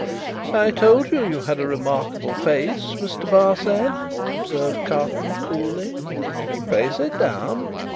"I told you you had a remarkable face, Mr. Barsad," observed Carton, coolly. "Pray sit down."